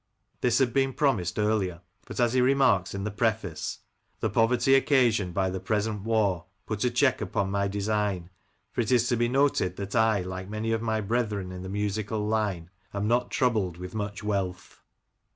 This had been promised earlier, but, as he remarks in the preface — "The poverty occasioned by the present war put a check upon my •design, for it is to be noted that I, like many of my brethren in the musical line, am not troubled with much wealth."